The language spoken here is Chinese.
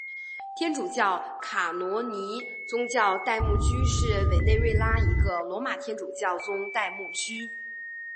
天主教卡罗尼宗座代牧区是委内瑞拉一个罗马天主教宗座代牧区。